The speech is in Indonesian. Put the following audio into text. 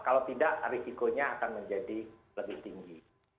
kalau tidak risikonya akan menjadi lebih tinggi